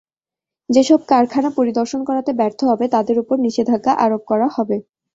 যেসব কারখানা পরিদর্শন করাতে ব্যর্থ হবে, তাদের ওপর নিষেধাজ্ঞা আরোপ করা হবে।